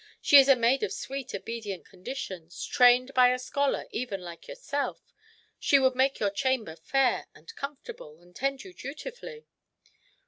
"She is a maid of sweet obedient conditions, trained by a scholar even like yourself. She would make your chamber fair and comfortable, and tend you dutifully."